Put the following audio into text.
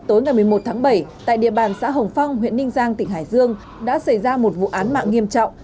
tối ngày một mươi một tháng bảy tại địa bàn xã hồng phong huyện ninh giang tỉnh hải dương đã xảy ra một vụ án mạng nghiêm trọng